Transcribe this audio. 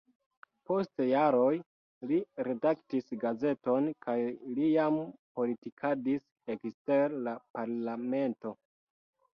Post jaroj li redaktis gazeton kaj li jam politikadis ekster la parlamento.